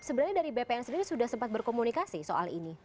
sebenarnya dari bpn sendiri sudah sempat berkomunikasi soal ini